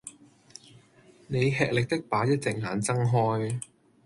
你吃力的把一隻眼睜開